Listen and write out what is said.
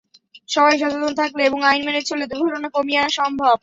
সবাই সচেতন থাকলে এবং আইন মেনে চললে দুর্ঘটনা কমিয়ে আনা সম্ভব।